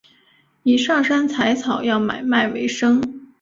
以上山采草药买卖为生。